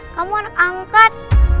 kamu anak angkat